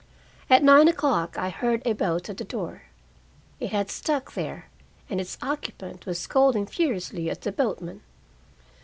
At nine o'clock I heard a boat at the door. It had stuck there, and its occupant was scolding furiously at the boatman.